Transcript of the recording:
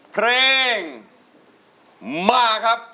เพลงมาครับ